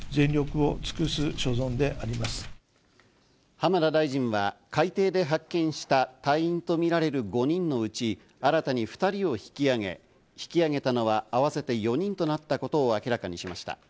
浜田大臣は海底で発見した隊員とみられる５人のうち、新たに２人を引き揚げ、引き揚げたのは合わせて４人となったことを明らかにしました。